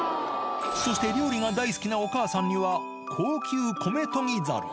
そして料理が大好きなお母さんには高級米研ぎざる。